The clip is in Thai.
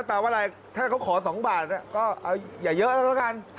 แปลว่าอะไรถ้าเขาขอ๒บาทก็เอาอย่าเยอะแล้วก็กัน